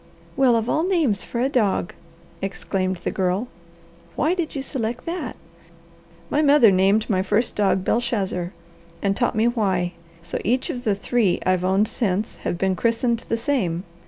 "Well of all names for a dog!" exclaimed the Girl. "Why did you select that?" "My mother named my first dog Belshazzar, and taught me why; so each of the three I've owned since have been christened the same.